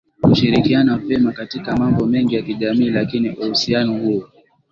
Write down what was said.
kushirikiana vema katika mambo mengi ya kijamii lakini uhusiano huo